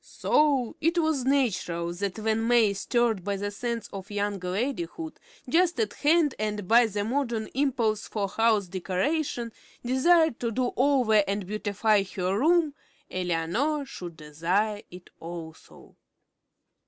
So it was natural that, when May, stirred by the sense of young ladyhood just at hand and by the modern impulse for house decoration, desired to "do over" and beautify her room, Eleanor should desire it also.